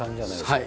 はい。